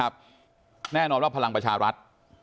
แน่นอนว่าพลังประชารัฐ